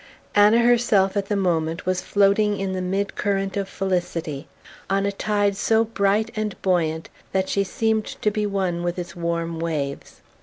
Anna herself, at the moment, was floating in the mid current of felicity, on a tide so bright and buoyant that she seemed to be one with its warm waves.